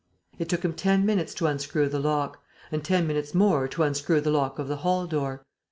It took him ten minutes to unscrew the lock and ten minutes more to unscrew the lock of the hall door.